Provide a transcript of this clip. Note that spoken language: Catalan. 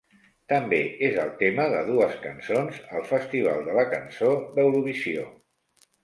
També és el tema de dues cançons al Festival de la Cançó d'Eurovisió.